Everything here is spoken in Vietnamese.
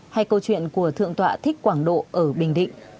hay câu chuyện của thượng tọa thích quảng độ ở bình định